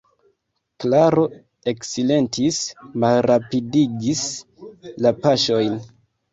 Klaro eksilentis, malrapidigis la paŝojn.